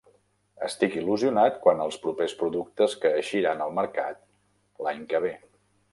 Estic il·lusionat quant als propers productes que eixiran al mercat l'any que ve.